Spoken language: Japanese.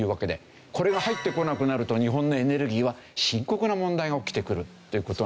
これが入ってこなくなると日本のエネルギーは深刻な問題が起きてくるという事なんですよね。